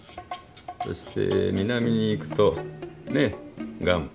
そして南に行くとねえグアム。